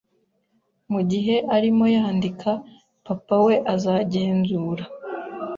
Mugihe arimo yandika, papa we azagenzura